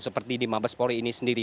seperti di mabes polri ini sendiri